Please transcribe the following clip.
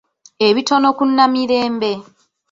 Ebitono ku Namirembe.